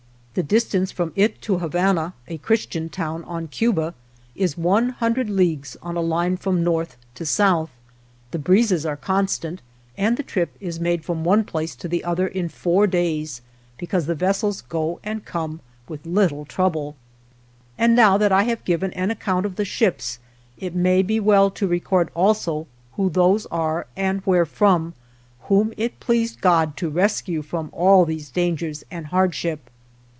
The distance from it to Habana, a Christian town on Cuba, is one hundred leagues on a line from north to south. The breezes are constant, and the trip is made from one place to the other in four days, because the vessels go and come with little trouble. And now that I have given an account of the ships, it may be well to record also who those are and where from, whom it pleased God to rescue from all these dangers and hardship.